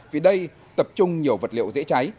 vì đây tập trung nhiều vật liệu dễ cháy